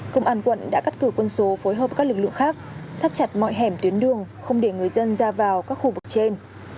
công an quận đã cắt cử quân số phối hợp các lực lượng khác thắt chặt mọi hẻm tuyến đường không để người dân ra vào các khu vực trên